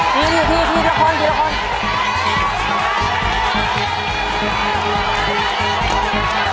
ทีนี้ทีนี้ทีละคนทีละคน